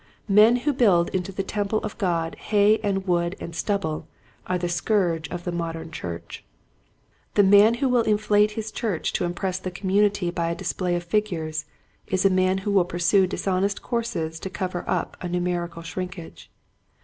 Men who build into the temple of God hay and wood and stubble are the scourge of the modern church. The man who will inflate his church to impress the community by a display of figures is a man who will pursue dishonest courses to cover up a numerical shrinkage.